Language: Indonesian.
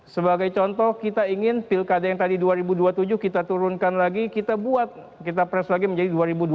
sebagai contoh kita ingin pilkada yang tadi dua ribu dua puluh tujuh kita turunkan lagi kita buat kita pres lagi menjadi dua ribu dua puluh empat